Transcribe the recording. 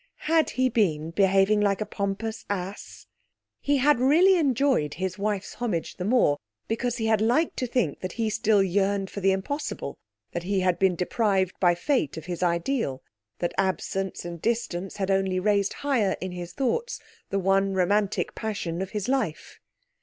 Had he been behaving like a pompous ass? He had really enjoyed his wife's homage the more because he had liked to think that he still yearned for the impossible, that he had been deprived by Fate of his ideal, that absence and distance had only raised higher in his thoughts the one romantic passion of his life.